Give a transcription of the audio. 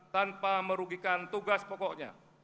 tanpa merugikan tugas pokoknya